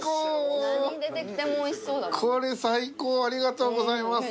これ最高ありがとうございます。